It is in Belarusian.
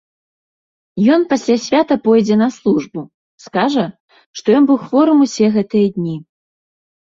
Ён пасля свята пойдзе на службу, скажа, што ён быў хворым усе гэтыя дні.